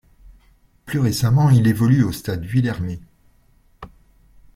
Plus récemment, il évolue au stade Vuillermet.